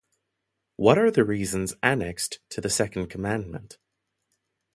What are the reasons annexed to the second commandment?